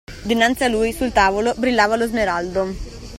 Dinanzi a lui, sul tavolo, brillava lo smeraldo.